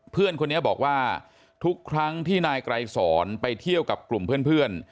เพื่อนคนนี้บอกว่าทุกครั้งที่นายไกรสอนไปเที่ยวกับกลุ่มเพื่อน